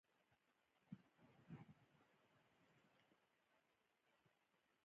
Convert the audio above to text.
ملي شتمني او جايداد د چور او تالان پر ډګر بدل شو.